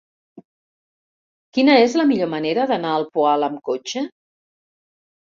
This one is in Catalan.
Quina és la millor manera d'anar al Poal amb cotxe?